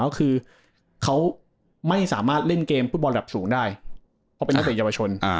ก็คือเขาไม่สามารถเล่นเกมฟุตบอลระดับสูงได้เพราะเป็นนักเตะเยาวชน